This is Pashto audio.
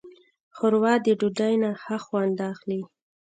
ښوروا د ډوډۍ نه ښه خوند اخلي.